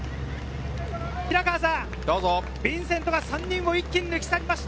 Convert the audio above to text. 平川さん、ヴィンセントが３人を一気に抜き去りました。